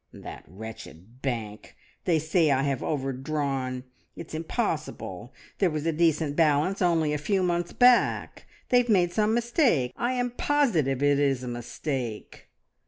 "That wretched bank! They say I have overdrawn. It's impossible, there was a decent balance only a few months back! They have made some mistake. I am positive it is a mistake."